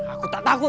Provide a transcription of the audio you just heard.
aku tak takut